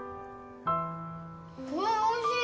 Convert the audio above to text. うわあおいしい！